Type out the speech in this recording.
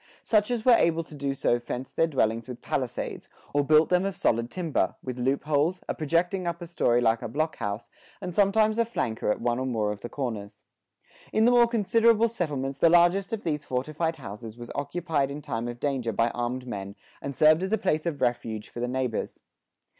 Such as were able to do so fenced their dwellings with palisades, or built them of solid timber, with loopholes, a projecting upper story like a block house, and sometimes a flanker at one or more of the corners. In the more considerable settlements the largest of these fortified houses was occupied in time of danger by armed men and served as a place of refuge for the neighbors.